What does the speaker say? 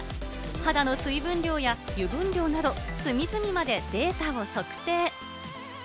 肌の水分量や油分量など、隅々までデータを測定。